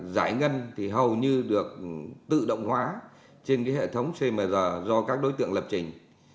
giải ngân thì hầu như được tự động hóa trên cái hệ thống cmr do các đối tượng lập trình